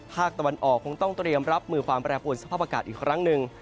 ภาคตะวันออกคงต้องเตรียมรับมือความแปรปวนสภาพอากาศอีกครั้งหนึ่ง